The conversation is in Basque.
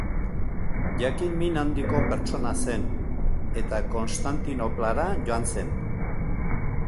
Jakin-min handiko pertsona zen, eta Konstantinoplara joan zen.